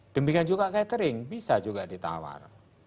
demikian juga catering bisa juga ditawar